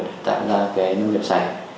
để tạo ra cái công nghiệp sạch